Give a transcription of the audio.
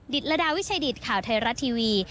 ดิตรดาวิชดิตข่าวไทยรัตน์ทีวี